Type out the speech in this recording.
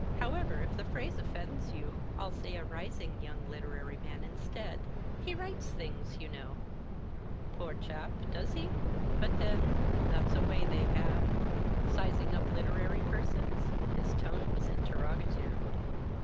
"However, if the phrase offends you, I'll say a rising young literary man, instead. He writes things, you know." "Poor chap, does he? But then, that's a way they have, sizing up literary persons?" His tone was interrogative.